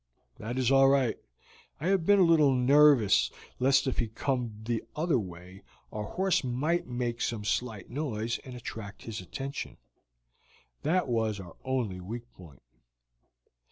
"That is all right. I have been a little nervous lest if he came the other way our horse might make some slight noise and attract his attention; that was our only weak point."